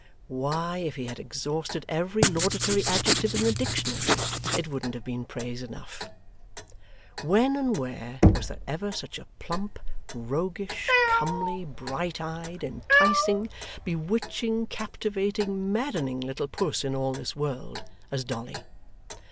Why, if he had exhausted every laudatory adjective in the dictionary, it wouldn't have been praise enough. When and where was there ever such a plump, roguish, comely, bright eyed, enticing, bewitching, captivating, maddening little puss in all this world, as Dolly!